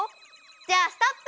じゃあストップ！